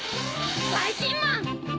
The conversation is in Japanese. ばいきんまん！